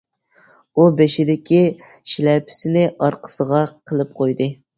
ئۇ بېشىدىكى شىلەپىسىنى ئارقىسىغا قىلىپ قويدى.